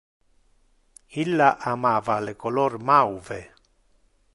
Illa amava le color mauve.